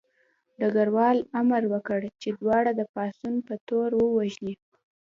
ډګروال امر وکړ چې دواړه د پاڅون په تور ووژني